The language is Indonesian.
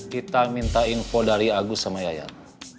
kita minta info dari agus sama yayat